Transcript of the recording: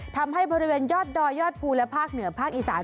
ทำให้บริเวณยอดดอยยอดภูและภาคเหนือภาคอีสาน